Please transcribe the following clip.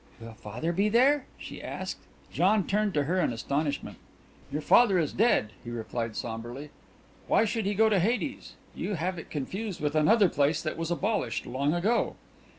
"Will father be there?" she asked. John turned to her in astonishment. "Your father is dead," he replied sombrely. "Why should he go to Hades? You have it confused with another place that was abolished long ago."